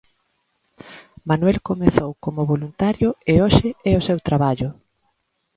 Manuel comezou como voluntario e hoxe é o seu traballo.